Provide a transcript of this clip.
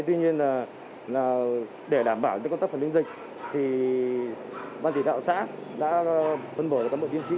tuy nhiên là để đảm bảo những con tắc phần linh dịch thì ban chỉ đạo xã đã phân bổ cho các bộ tiến sĩ